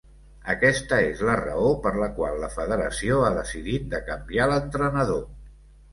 Aquesta és la raó per la qual la Federació ha decidit de canviar l'entrenador.